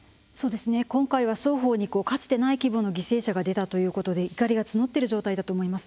今回は、双方にかつてない規模の犠牲者が出たということで怒りが募っている状態だと思います。